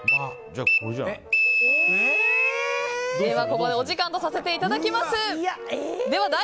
ここでお時間とさせていただきます。